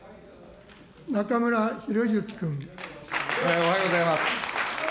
おはようございます。